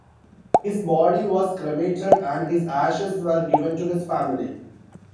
His body was cremated and his ashes were given to his family.